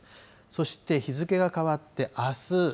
そして日付が変わってあす。